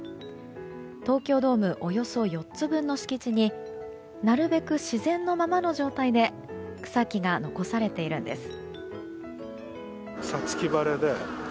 東京ドームおよそ４つ分の敷地になるべく自然のままの状態で草木が残されているんです。